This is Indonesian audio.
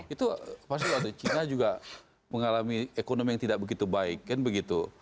itu pas juga ada cina juga mengalami ekonomi yang tidak begitu baik kan begitu